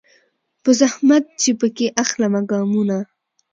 په زحمت چي پکښي اخلمه ګامونه